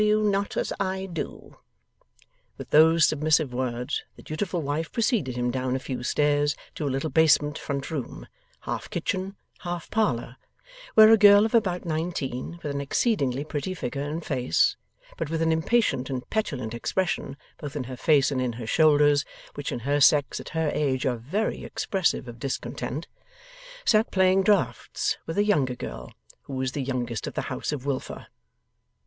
W.; not as I do.' With those submissive words, the dutiful wife preceded him down a few stairs to a little basement front room, half kitchen, half parlour, where a girl of about nineteen, with an exceedingly pretty figure and face, but with an impatient and petulant expression both in her face and in her shoulders (which in her sex and at her age are very expressive of discontent), sat playing draughts with a younger girl, who was the youngest of the House of Wilfer.